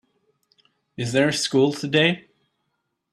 Is there school today?